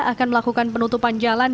akan melakukan penutupan jalan